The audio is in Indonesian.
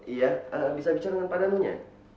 iya bisa bicara dengan padhanunya